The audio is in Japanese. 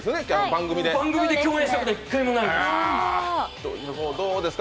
番組で共演したことは１回もないです。